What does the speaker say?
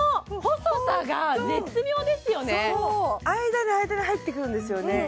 間で間で入ってくるんですよね